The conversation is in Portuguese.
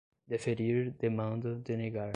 deferir, demanda, denegar